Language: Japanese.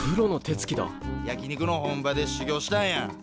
焼き肉の本場でしゅぎょうしたんや。